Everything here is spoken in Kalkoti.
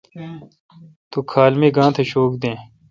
تو کھال می گانتھ شوک دین۔